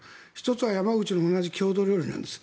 １つは山口の同じ郷土料理なんです。